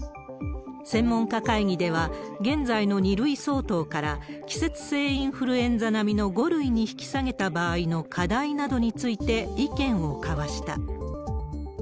専門家会議では、現在の２類相当から、季節性インフルエンザ並みの５類に引き下げた場合の課題などについて意見を交わした。